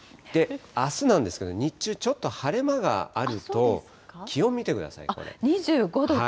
あすなんですけど、日中、ちょっと晴れ間があると気温見てく２５度と。